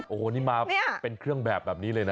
โอ้โหนี่มาเป็นเครื่องแบบแบบนี้เลยนะ